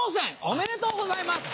おめでとうございます。